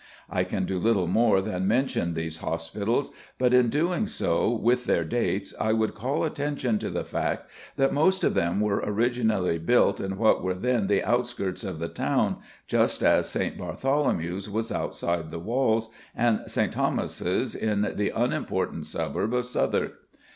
I can do little more than mention these hospitals; but in doing so, with their dates, I would call attention to the fact that most of them were originally built in what were then the outskirts of the town, just as St. Bartholomew's was outside the walls, and St. Thomas's in the unimportant suburb of Southwark.